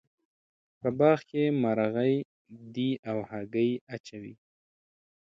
په باغ کې مرغۍ دي او هګۍ اچوې